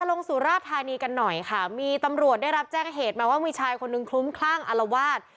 สุราธานีกันหน่อยค่ะมีตำรวจได้รับแจ้งเหตุมาว่ามีชายคนหนึ่งคลุ้มคลั่งอารวาส